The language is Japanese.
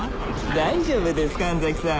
大丈夫です神崎さん